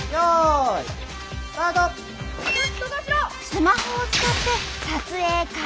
スマホを使って撮影開始！